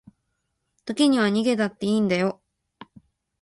時には逃げたっていいんだよ